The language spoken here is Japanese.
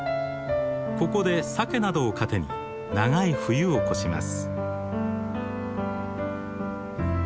ここでサケなどを糧に長い冬を越します。